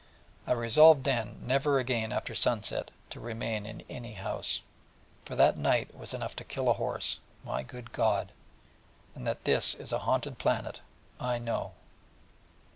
And I resolved then never again after sunset to remain in any house: for that night was enough to kill a horse, my good God; and that this is a haunted planet I know.